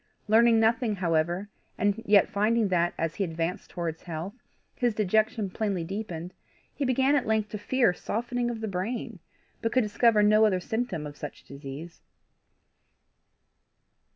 Learning nothing, however, and yet finding that, as he advanced towards health, his dejection plainly deepened, he began at length to fear softening of the brain, but could discover no other symptom of such disease.